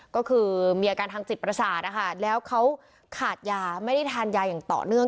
ก็คือมีอาการทางจิตประสาทนะคะแล้วเขาขาดยาไม่ได้ทานยาอย่างต่อเนื่อง